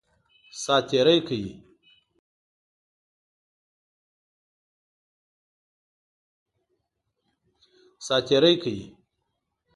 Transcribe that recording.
سات تېری کوي.